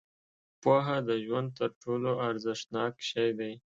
• پوهه د ژوند تر ټولو ارزښتناک شی دی.